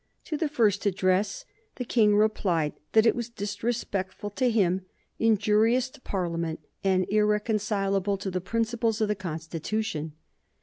To the first address the King replied that it was disrespectful to him, injurious to Parliament, and irreconcilable to the principles of the Constitution.